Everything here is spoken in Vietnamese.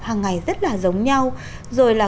hàng ngày rất là giống nhau rồi là